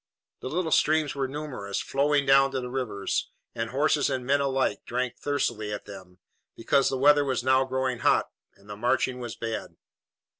The little streams were numerous, flowing down to the rivers, and horses and men alike drank thirstily at them, because the weather was now growing hot and the marching was bad.